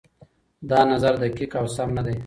دا نظر دقيق او سم نه دی.